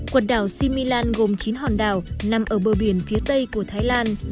quần đảo similan gồm chín hòn đảo nằm ở bờ biển phía tây của thái lan